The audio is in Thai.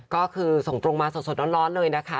ก็คือส่งตรงมาสดร้อนเลยนะคะ